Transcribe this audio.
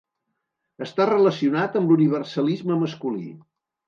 Està relacionat amb l'universalisme masculí.